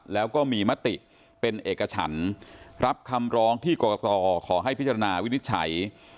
แล้วก็มีมติเป็นเอกฉันรับคำร้องที่กรกตขอให้พิจารณาวินิจฉัย